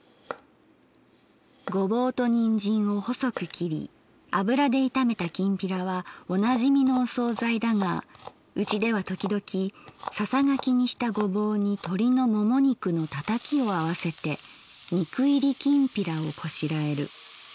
「ごぼうとにんじんを細く切り油で炒めたきんぴらはおなじみのおそうざいだがうちではときどきささがきにしたごぼうにとりのもも肉のたたきをあわせて肉いりきんぴらをこしらえる。